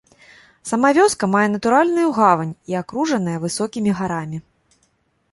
Сама вёска мае натуральную гавань і акружаная высокімі гарамі.